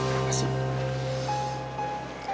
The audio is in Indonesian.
aku mau pulang sama roger aja